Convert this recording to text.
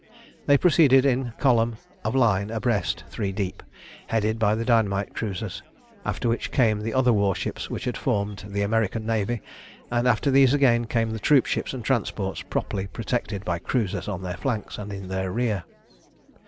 They proceeded in column of line abreast three deep, headed by the dynamite cruisers, after which came the other warships which had formed the American Navy, and after these again came the troopships and transports properly protected by cruisers on their flanks and in their rear.